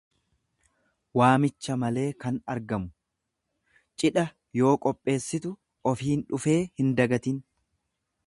waamicha malee kan argamu; Cidha yoo qopheessitu ofiin dhufee hindagatin.